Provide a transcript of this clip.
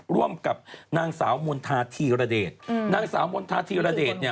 ร่วมกับนางสาวมณฑาธีรเดชนางสาวมณฑาธีรเดชเนี่ย